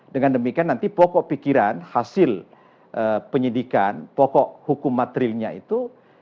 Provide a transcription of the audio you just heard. dengan demikian nanti pokok pikiran hasil penyidikan pokok hukum materilnya itu